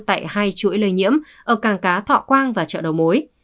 tại hai chuỗi lây nhiễm ở càng cá thọ quang và chợ đầu mối